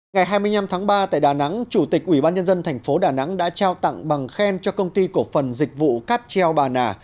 ngày hai mươi năm tháng ba tại đà nẵng chủ tịch ubnd tp đà nẵng đã trao tặng bằng khen cho công ty của phần dịch vụ cát treo bà nà